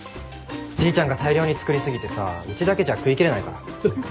じいちゃんが大量に作り過ぎてさうちだけじゃ食いきれないから。